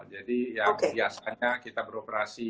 jadi ya biasanya kita beroperasi